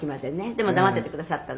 「でも黙っててくださったの？」